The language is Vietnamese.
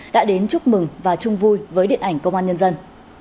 đã đến chúc mừng và chung vui với điện ảnh công an nhân dân